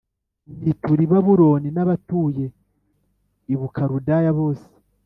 nzitura i babuloni n abatuye i bukaludaya bose